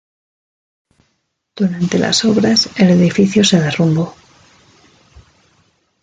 Durante las obras el edificio se derrumbó.